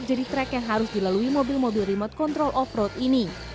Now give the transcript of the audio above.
jadi trek yang harus dilalui mobil mobil remote control off road ini